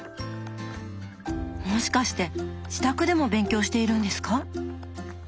もしかして自宅でも勉強しているんですか？